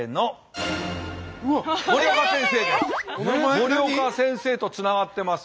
森岡先生とつながってます。